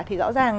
thì rõ ràng